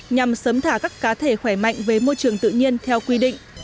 nhằm sớm thả các cá thể khỏe mạnh về môi trường tự nhiên theo quy định